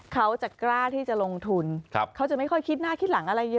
เขาจะกล้าที่จะลงทุนเขาจะไม่ค่อยคิดหน้าคิดหลังอะไรอย่างนี้